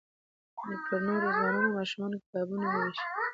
پر نوو ځوانانو او ماشومانو کتابونه ووېشل.